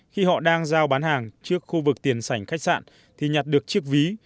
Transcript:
khi họ đang giao bán hàng trước khu vực tiền sảnh khách sạn thì nhặt được chiếc ví